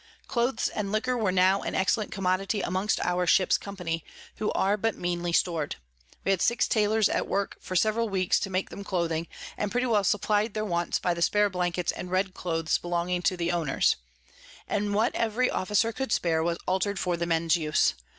Clothes and Liquor were now an excellent Commodity amongst our Ships Company, who are but meanly stor'd: We had six Taylors at work for several weeks to make them Clothing, and pretty well supply'd their Wants by the spare Blankets and red Clothes belonging to the Owners; and what every Officer could spare, was alter'd for the Mens Use.